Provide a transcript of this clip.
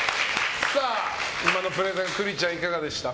今のプレゼン、栗ちゃんいかがでした？